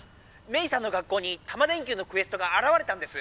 メイさんの学校にタマ電Ｑのクエストがあらわれたんです！